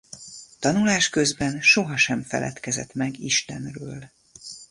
Tanulás közben soha sem feledkezett meg Istenről.